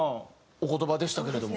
お言葉でしたけれども。